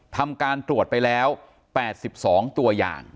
ทำการตรวจไปแล้ว๘๒ตัวอย่าง